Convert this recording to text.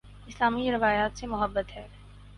اسلامی روایات سے محبت ہے